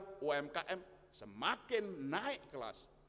karena umkm semakin naik kelas